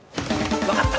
わかった！